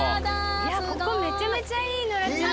ここめちゃめちゃいいノラちゃん。